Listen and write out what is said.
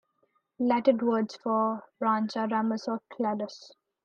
Latin words for branch are "ramus" or "cladus".